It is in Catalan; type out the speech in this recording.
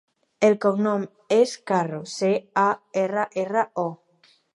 El cognom és Carro: ce, a, erra, erra, o.